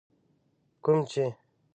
کوم چي